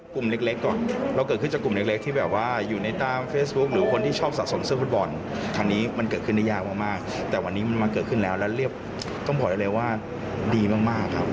กลุ่มเล็กก่อนเราเกิดขึ้นจากกลุ่มเล็กที่แบบว่าอยู่ในตามเฟซบุ๊คหรือคนที่ชอบสะสมเสื้อฟุตบอลครั้งนี้มันเกิดขึ้นได้ยากมากแต่วันนี้มันมาเกิดขึ้นแล้วแล้วเรียบต้องบอกได้เลยว่าดีมากครับ